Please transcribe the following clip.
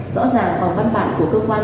rõ ràng bằng văn bản của cơ quan có thẩm quyền